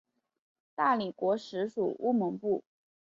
大理国时属乌蒙部。